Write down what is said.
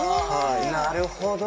なるほど。